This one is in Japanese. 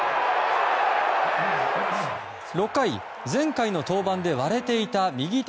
６回、前回の登板で割れていた右手